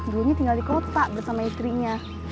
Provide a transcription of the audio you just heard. dulunya tinggal di kota bersama istrinya